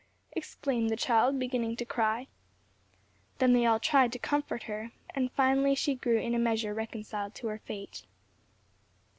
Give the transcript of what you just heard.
exclaimed the child beginning to cry. Then they all tried to comfort her, and finally she grew in a measure reconciled to her fate.